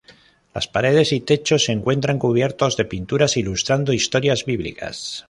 Las paredes y techos se encuentran cubiertos de pinturas ilustrando historias bíblicas.